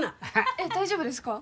えっ大丈夫ですか？